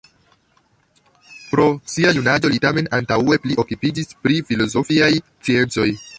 Pro sia junaĝo li tamen antaŭe pli okupiĝis pri filozofiaj sciencoj.